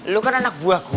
lu kan anak buah gue